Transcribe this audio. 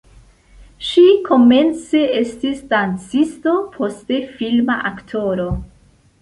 Ŝi komence estis dancisto, poste filma aktoro.